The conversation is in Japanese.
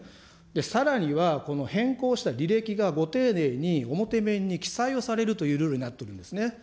さらには、この変更した履歴が、ご丁寧に表面に記載をされるというルールになっているんですね。